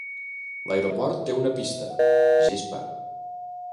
L'aeroport té una pista; gespa.